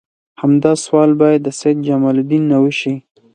همدا سوال باید د سید جمال الدین نه وشي.